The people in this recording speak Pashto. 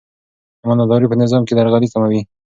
امانتداري په نظام کې درغلي کموي.